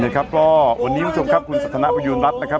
เนี่ยครับพ่อวันนี้คุณผู้ชมครับคุณสถานประยุณรัฐนะครับ